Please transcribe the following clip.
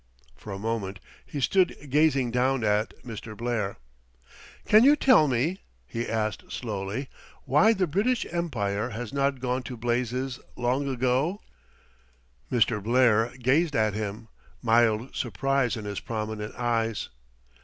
For a moment he stood gazing down at Mr. Blair. "Can you tell me," he asked slowly, "why the British Empire has not gone to blazes long ago?" Mr. Blair gazed at him, mild surprise in his prominent eyes.